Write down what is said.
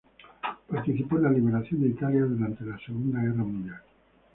Participó en la liberación de Italia durante la Segunda Guerra Mundial.